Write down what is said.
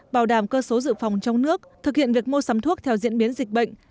bảo đảm cơ số dự phòng trong nước thực hiện việc mua sắm thuốc theo diễn biến dịch bệnh